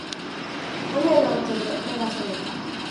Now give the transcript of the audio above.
雨の音で目が覚めた